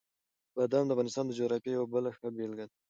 بادام د افغانستان د جغرافیې یوه بله ښه بېلګه ده.